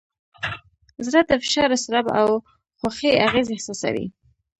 زړه د فشار، اضطراب، او خوښۍ اغېز احساسوي.